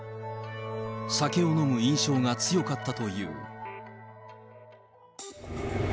酒を飲む印象が強かったという。